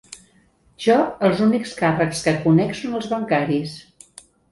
Jo, els únics càrrecs que conec són els bancaris.